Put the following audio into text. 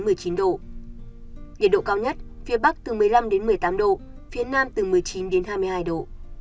nhiệt độ cao nhất phía bắc từ một mươi năm đến một mươi tám độ phía nam từ một mươi chín đến hai mươi hai độ